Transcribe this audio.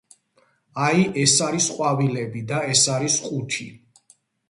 აი ეს არის ყვავილები და ეს არის ყუთი.